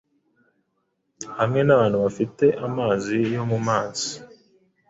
hamwe n’ahantu hafite amazi yo mu mazi